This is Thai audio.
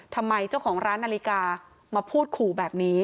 ทำไมเจ้าของร้านนาฬิกามาพูดขู่แบบนี้